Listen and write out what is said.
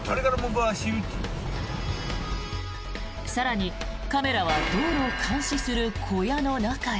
更に、カメラは道路を監視する小屋の中へ。